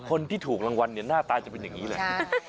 คนที่ถูกรางวัลเนี่ยหน้าตาจะเป็นอย่างนี้แหละ